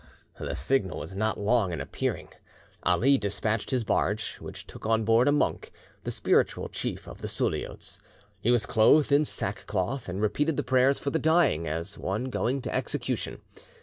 The signal was not long in appearing. Ali despatched his barge, which took on board a monk, the spiritual chief of the Suliots. He was clothed in sackcloth, and repeated the prayers for the dying, as one going to execution.